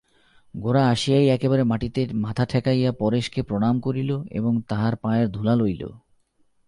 গোরা আসিয়াই একেবারে মাটিতে মাথা ঠেকাইয়া পরেশকে প্রণাম করিল এবং তাঁহার পায়ের ধুলা লইল।